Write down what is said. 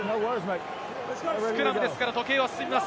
スクラムですから時計は進みます。